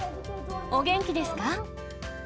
お元気ですか。